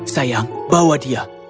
sayang bawa dia